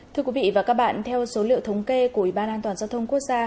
thưa quý vị và các bạn theo số liệu thống kê của ủy ban an toàn giao thông quốc gia